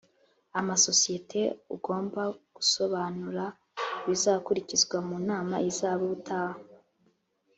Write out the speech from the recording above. amasosiyete ugomba gusobanura ibizakurikizwa mu nama izaba ubutaha